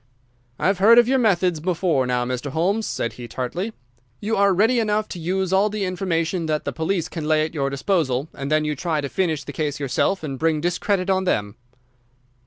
"I've heard of your methods before now, Mr. Holmes," said he, tartly. "You are ready enough to use all the information that the police can lay at your disposal, and then you try to finish the case yourself and bring discredit on them."